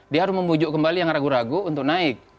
dia harus membujuk kembali yang ragu ragu untuk naik